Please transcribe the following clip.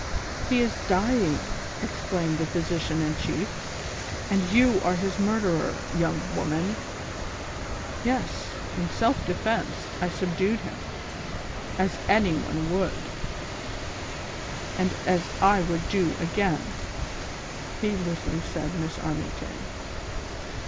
"He is dying," exclaimed the physician in chief, "and you are his murderer, young woman." " Yes, in self defence I subdued him, as any one would, and as I would do again," heedlessly said Miss Armington.